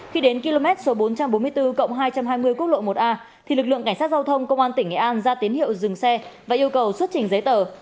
khi đến km số bốn trăm bốn mươi bốn hai trăm hai mươi quốc lộ một a thì lực lượng cảnh sát giao thông công an tỉnh nghệ an ra tín hiệu dừng xe và yêu cầu xuất trình giấy tờ